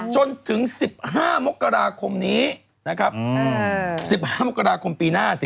จนถึง๑๕มกราคมนี้นะครับ๑๕มกราคมปีหน้าสิ